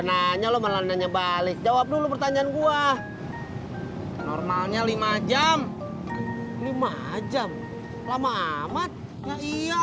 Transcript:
nanya lo malah nanya balik jawab dulu pertanyaan gua normalnya lima jam lima jam lama amat nah iya